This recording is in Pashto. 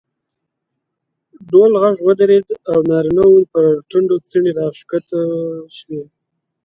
ډول غږ ودرېد او نارینه وو پر ټنډو څڼې راکښته شوې.